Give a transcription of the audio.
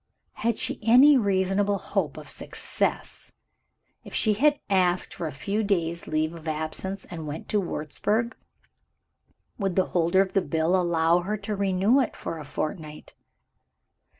Had she any reasonable hope of success, if she asked for a few days' leave of absence, and went to Wurzburg? Would the holder of the bill allow her to renew it for a fortnight?